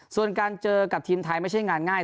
ส่วนการเจอกับทีมไทยไม่ใช่งานง่าย